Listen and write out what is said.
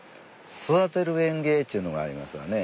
育てる園芸っちゅうのがありますわね。